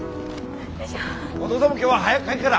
お父さんも今日は早く帰っから！